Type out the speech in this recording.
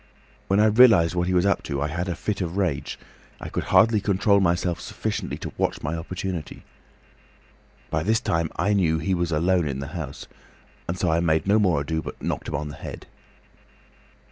When I realised what he was up to I had a fit of rage—I could hardly control myself sufficiently to watch my opportunity. By this time I knew he was alone in the house, and so I made no more ado, but knocked him on the head."